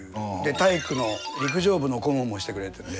体育の陸上部の顧問もしてくれてて。